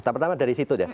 nah pertama dari situ ya